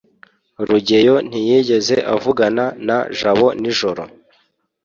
rugeyo ntiyigeze avugana na jabo nijoro